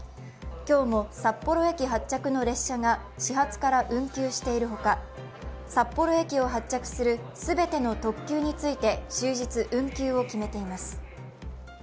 今日も札幌駅発着の列車が始発から運休しているほか札幌駅を発着する全ての特急について、終日運休を決めています。